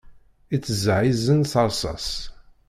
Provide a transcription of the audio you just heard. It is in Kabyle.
Iteẓẓaɛ izan s ṛṛṣaṣ.